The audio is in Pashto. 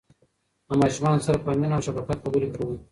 له ماشومانو سره په مینه او شفقت خبرې کوئ.